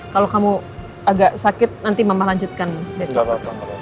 kalau kamu agak sakit nanti mama lanjutkan besok